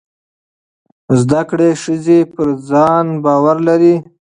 زده کړې ښځې پر ځان باور لري.